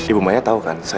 ibu maya tahu kan saya